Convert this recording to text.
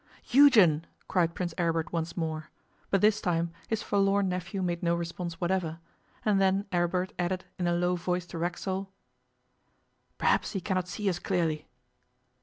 'Eugen,' cried Prince Aribert once more, but this time his forlorn nephew made no response whatever, and then Aribert added in a low voice to Racksole: 'Perhaps he cannot see us clearly.